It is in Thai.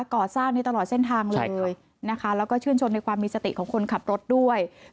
ก่อสร้างนี้ตลอดเส้นทางเลยนะคะแล้วก็ชื่นชมในความมีสติของคนขับรถด้วย